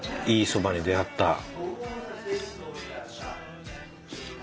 いい蕎麦に出会った。